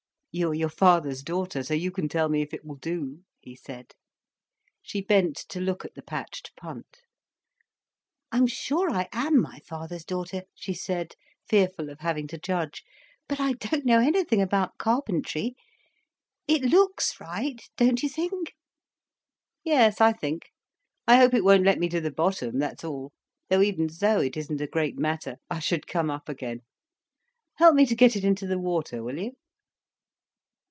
"You are your father's daughter, so you can tell me if it will do," he said. She bent to look at the patched punt. "I am sure I am my father's daughter," she said, fearful of having to judge. "But I don't know anything about carpentry. It looks right, don't you think?" "Yes, I think. I hope it won't let me to the bottom, that's all. Though even so, it isn't a great matter, I should come up again. Help me to get it into the water, will you?"